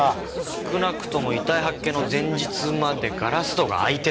少なくとも遺体発見の前日までガラス戸が開いてた。